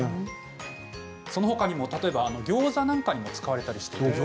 その他にも、例えばギョーザなんかにも使われています。